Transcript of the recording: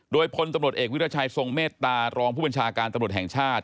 โดยพลตำรวจเอกวิรัชัยทรงเมตตารองผู้บัญชาการตำรวจแห่งชาติ